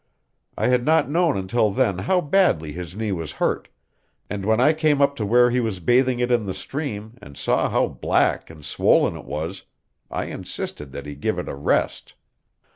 I had not known until then how badly his knee was hurt, and when I came up to where he was bathing it in the stream and saw how black and swollen it was, I insisted that he give it a rest.